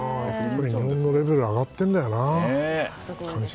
日本のレベルが上がってるんだよな。